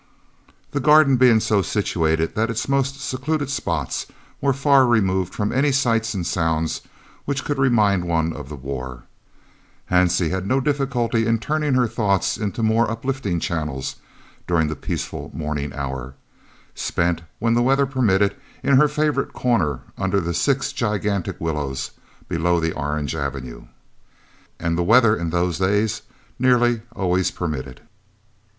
The garden being so situated that its most secluded spots were far removed from any sights and sounds which could remind one of the war, Hansie had no difficulty in turning her thoughts into more uplifting channels during the peaceful morning hour, spent, when the weather permitted, in her favourite corner under the six gigantic willows below the orange avenue. And the weather in those days nearly always permitted!